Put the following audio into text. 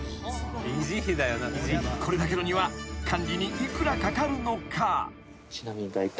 ［これだけの庭管理に幾らかかるのか？］